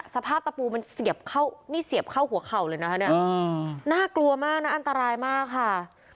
สภาพตะปูมันเสียบเข้าหัวเข่าเลยนะคะน่ากลัวมากนะอันตรายมากค่ะ